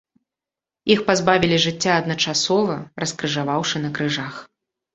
Іх пазбавілі жыцця адначасова, раскрыжаваўшы на крыжах.